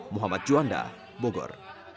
muhammad juanda bogor